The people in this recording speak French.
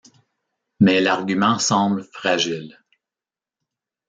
Mais l'argument semble fragile.